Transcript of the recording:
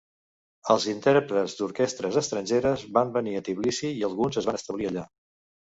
Els intèrprets d'orquestres estrangeres van venir a Tbilissi i alguns es van establir allà.